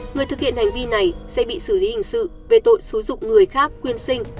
người thực hiện hành vi này sẽ bị xử lý hình sự về tội xúi dục người khác quyên sinh